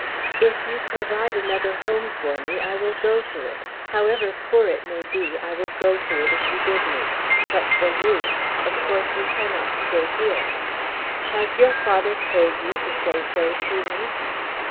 "If you provide another home for me, I will go to it. However poor it may be I will go to it, if you bid me. But for you, of course you cannot stay here." "Has your father told you to say so to me?"